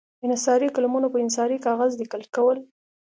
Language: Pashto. انحصاري قلمونو پر انحصاري کاغذ لیکل کول.